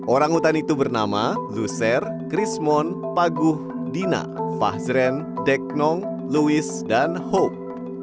orangutan itu bernama luser krismon paguh dina fahzren deknong louis dan hope